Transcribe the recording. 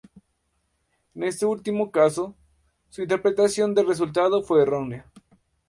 En este último caso, su interpretación del resultado fue errónea.